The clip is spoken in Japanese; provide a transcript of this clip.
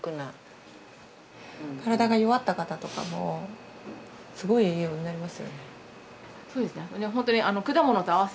体が弱った方とかもすごい栄養になりますよね。